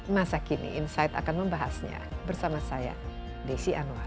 masa kini insight akan membahasnya bersama saya desi anwar